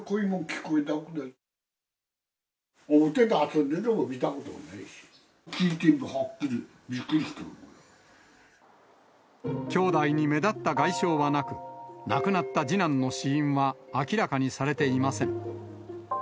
聞いて、兄弟に目立った外傷はなく、亡くなった次男の死因は明らかにされていません。